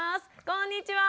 こんにちは。